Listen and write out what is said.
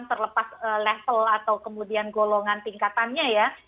terlepas level atau kemudian golongan tingkatannya ya